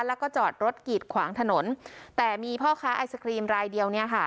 แล้วก็จอดรถกีดขวางถนนแต่มีพ่อค้าไอศครีมรายเดียวเนี่ยค่ะ